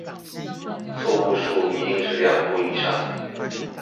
錯誤數一定是兩戶以上